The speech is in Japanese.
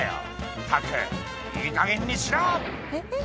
「ったくいいかげんにしろ！」